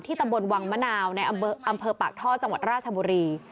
ตำบลวังมะนาวในอำเภอปากท่อจังหวัดราชบุรี